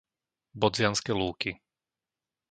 Bodzianske Lúky